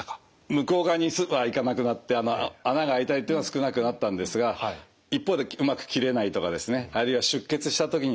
向こう側にはすぐ行かなくなって穴があいたりっていうのは少なくなったんですが一方でうまく切れないとかですねあるいは出血した時にですね